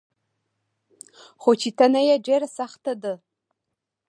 خو چي ته نه يي ډيره سخته ده